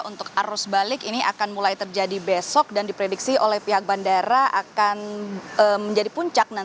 untuk arus balik ini akan mulai terjadi besok dan diprediksi oleh pihak bandara akan menjadi puncak